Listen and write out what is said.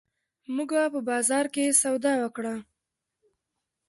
مونږه په بازار کښې سودا وکړه